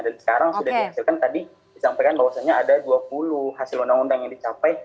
dan sekarang sudah dihasilkan tadi disampaikan bahwasannya ada dua puluh hasil undang undang yang dicapai